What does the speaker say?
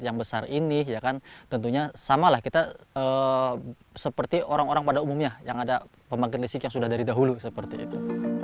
yang besar ini ya kan tentunya sama lah kita seperti orang orang pada umumnya yang ada pembangkit listrik yang sudah dari dahulu seperti itu